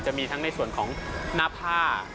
จะมีทั้งในส่วนของหน้าผ้า